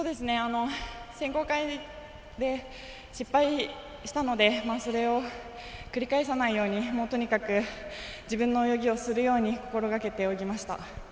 選考会で失敗したのでそれを繰り返さないようにとにかく自分の泳ぎをするように心がけて泳ぎました。